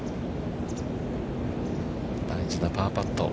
大事なパーパット。